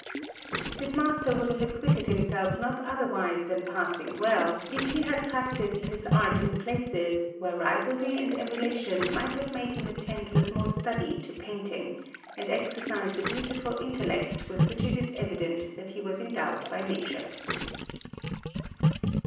This master would have acquitted himself not otherwise than passing well, if he had practised his art in places where rivalry and emulation might have made him attend with more study to painting, and exercise the beautiful intellect with which it is evident that he was endowed by nature.